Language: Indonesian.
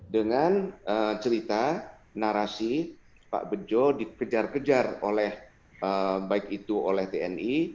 dengan cerita narasi pak bejo dikejar kejar oleh baik itu oleh tni